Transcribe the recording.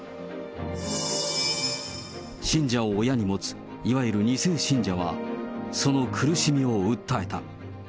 信者を親に持つ、いわゆる２世信者は、その苦しみを訴えた。